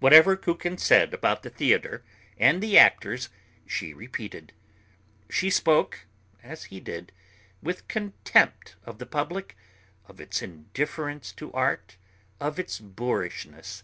Whatever Kukin said about the theatre and the actors, she repeated. She spoke, as he did, with contempt of the public, of its indifference to art, of its boorishness.